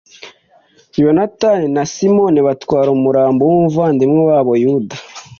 yonatani na simoni batwara umurambo w'umuvandimwe wabo yuda